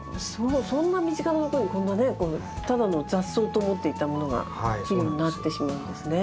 そんな身近なところにこんなねただの雑草と思っていたものが肥料になってしまうんですね。